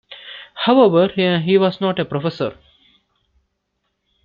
However, he was not a professor.